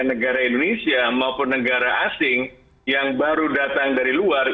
dan negara indonesia maupun negara asing yang baru datang dari luar